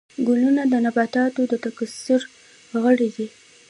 ګلونه د نباتاتو د تکثیر غړي دي